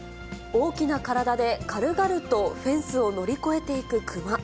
大きな体で軽々とフェンスを乗り越えていくクマ。